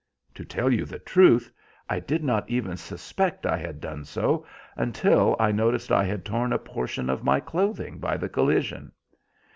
To tell you the truth, I did not even suspect I had done so until I noticed I had torn a portion of my clothing by the collision.